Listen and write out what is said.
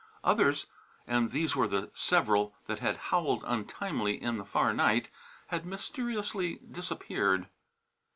Others, and these were the several that had howled untimely in the far night, had mysteriously disappeared.